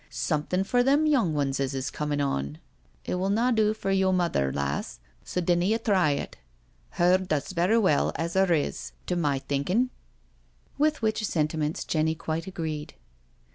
" Something for them young ones as is coming on — but it will na do for yo' mother, lass — so dinna ye try it. Her does verra well as her is, to my thinkin'." With which sentiments Jenny quite agreed.